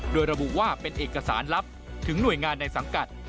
โดยระบุว่าเป็นเอกสารลับถึงหน่วยงานในสังกัด